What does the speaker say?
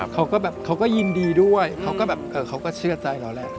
เขาก็ยินดีด้วยเขาก็เชื่อใจเราแหละ